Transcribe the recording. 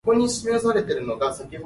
人閒百日生病